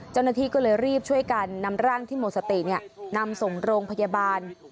เจ้าหน้าที่ก็เลยรีบช่วยกันนำร่างที่หมดสตินำส่งโรงพยาบาล